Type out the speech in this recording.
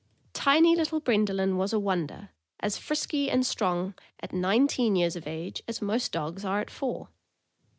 Tiny little Brendoline was a wonder, as frisky and strong at nineteen years of age as most dogs are at four.